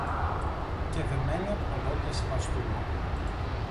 Και δεμένη απ' τα δόντια σε βαστούνε!